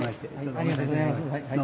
ありがとうございます。